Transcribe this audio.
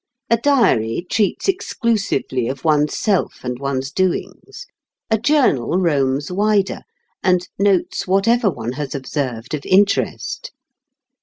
A diary treats exclusively of one's self and one's doings; a journal roams wider, and notes whatever one has observed of interest.